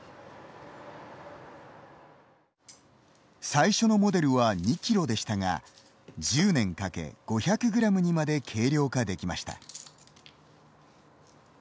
最初のモデルは２キロでしたが１０年かけ５００グラムにまで軽量化できました。